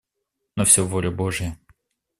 На все воля Божья.